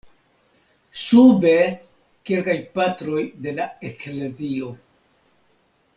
Sube, kelkaj Patroj de la Eklezio.